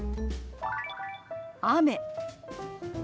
「雨」。